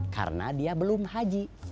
karena dia belum haji